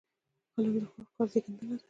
قلم د ښو افکارو زېږنده ده